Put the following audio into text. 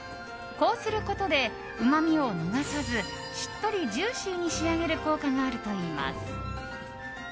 こうすることで、うまみを逃さずしっとりジューシーに仕上げる効果があるといいます。